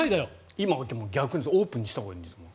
今は逆にオープンにしたほうがいいですもんね。